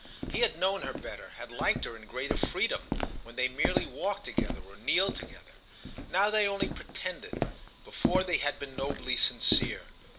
He had known her better, had liked her in greater freedom, when they merely walked together or kneeled together. Now they only pretended; before they had been nobly sincere.